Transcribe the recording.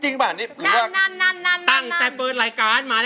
จริงอ่ะเออจริงอ่ะนั่นตั้งแต่เปิดรายการมา